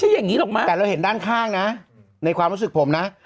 ใช่เหรอเหมือนเสากระดงอะไรรึเปล่า